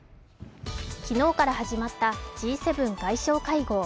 昨日から始まったＧ７外相会合。